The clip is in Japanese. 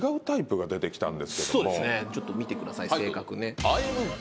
またちょっとそうですねちょっと見てください性格ね